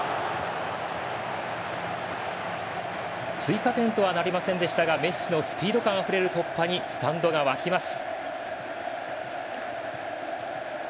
追加点とはなりませんでしたがメッシのスピード感あふれる突破にスタンドが沸きます。